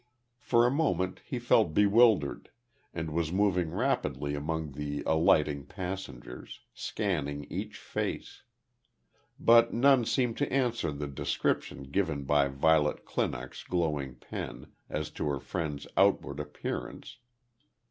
For a moment he felt bewildered, and was moving rapidly among the alighting passengers, scanning each face. But none seemed to answer the description given by Violet Clinock's glowing pen, as to her friend's outward appearance.